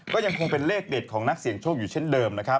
ก็ยังคงเป็นเลขเด็ดของนักเสี่ยงโชคอยู่เช่นเดิมนะครับ